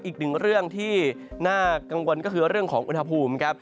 อีกหนึ่งเรื่องที่น่ากังวลก็คือเรื่องของอุณหภูมิครับ